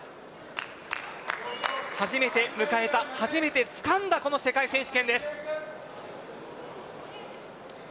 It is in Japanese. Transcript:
初めて迎えた初めてつかんだこの世界選手権です。